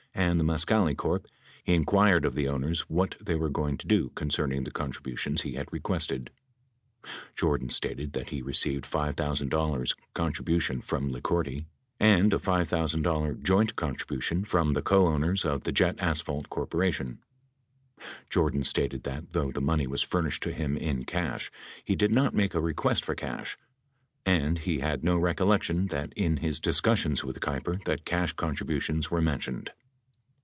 and the Mascali Corp., he inquired of the owners what they were going to do concerning the contributions he had requested. Jordan stated that he received a $5,000 contribution from Licourti and a $5,000 joint contribution from the coowners of the Jet Asphalt Corp. Jordan stated that, though the money was furnished to him in cash, he did not make a request for cash: and he had no recollection that in his discussions with Keiper that cash contributions were mentioned.